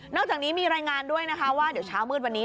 อกจากนี้มีรายงานด้วยนะคะว่าเดี๋ยวเช้ามืดวันนี้